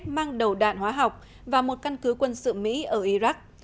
hoặc đạn hóa học vào một căn cứ quân sự mỹ ở iraq